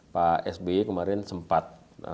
pak sby kemarin sempat